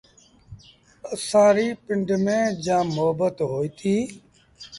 اسآݩ ريٚ پنڊ ميݩ جآم مهبت هوئيٚتي۔